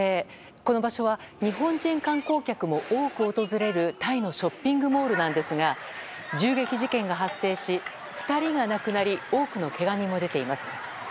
この場所は日本人観光客も多く訪れるタイのショッピングモールなんですが銃撃事件が発生し２人が亡くなり多くのけが人も出ています。